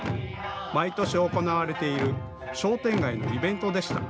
毎年、行われている商店街のイベントでした。